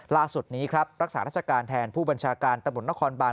ล่าสุดนี้ครับรักษาราชการแทนผู้บัญชาการตำรวจนครบาน